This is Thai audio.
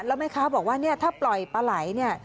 แล้วแม่ค้าบอกว่าถ้าปล่อยปลาไหล่